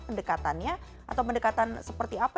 pendekatannya atau pendekatan seperti apa